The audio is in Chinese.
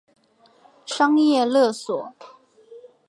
商业勒索